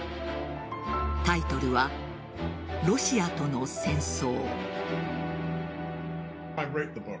タイトルは「ロシアとの戦争」